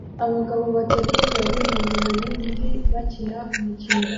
abagabo batatu bari mubirori nd bakina imikino